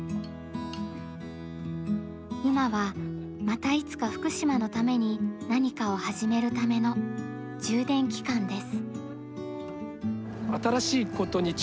今はまたいつか福島のために何かを始めるための充電期間です。